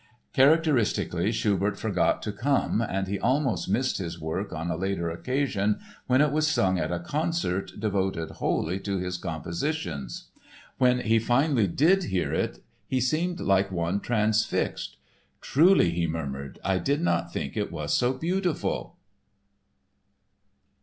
Characteristically, Schubert forgot to come and he almost missed his work on a later occasion when it was sung at a concert devoted wholly to his compositions. When he finally did hear it he seemed like one transfixed. "Truly," he murmured, "I did not think it was so beautiful!"